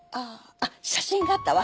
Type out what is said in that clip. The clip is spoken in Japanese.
あっ写真があったわ。